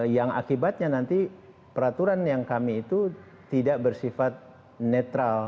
yang akibatnya nanti peraturan yang kami itu tidak bersifat netral